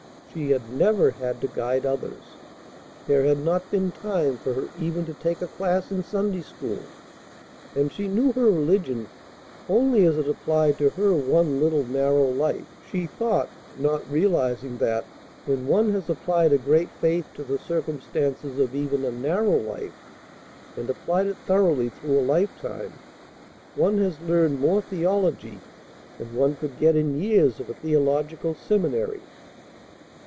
She had never had to guide others. There had not been time for her even to take a class in Sunday school, and she knew her religion only as it applied to her one little narrow life, she thought, not realizing that, when one has applied a great faith to the circumstances of even a narrow life, and applied it thoroughly through a lifetime, one has learned more theology than one could get in years of a theological seminary.